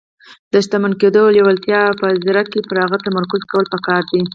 د شتمن کېدو لېوالتیا او په ځيرکۍ پر هغې تمرکز کول پکار دي.